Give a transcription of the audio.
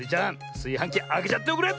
すいはんきあけちゃっておくれ！